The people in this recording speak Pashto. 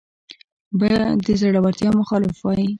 به د زړورتیا مخالف وای